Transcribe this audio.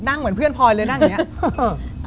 เหมือนเพื่อนพลอยเลยนั่งอย่างนี้